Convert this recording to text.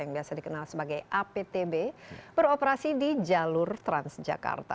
yang biasa dikenal sebagai aptb beroperasi di jalur transjakarta